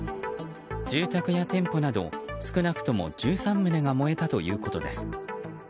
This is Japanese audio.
住宅や店舗など、少なくとも１３棟が燃えたということです。